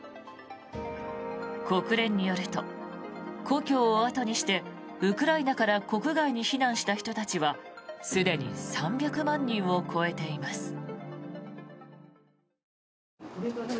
国連によると故郷を後にしてウクライナから国外に避難した人たちはすでに３００万人を超えています。